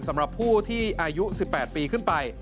สำหรับผู้ที่อายุ๑๘ปีขึ้นไป